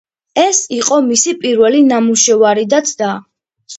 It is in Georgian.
ეს იყო მისი პირველი ნამუშევარი და ცდა.